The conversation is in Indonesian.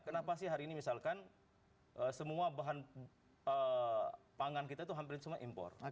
kenapa sih hari ini misalkan semua bahan pangan kita itu hampir semua impor